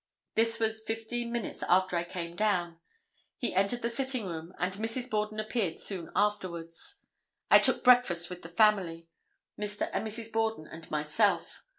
This was fifteen minutes after I came down. He entered the sitting room and Mrs. Borden appeared soon afterwards. I took breakfast with the family, Mr. and Mrs. Borden and myself.